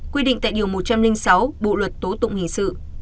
quy định tại điều một trăm linh sáu bộ luật tố tụng hình sự